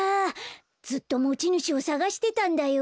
ずっともちぬしをさがしてたんだよ。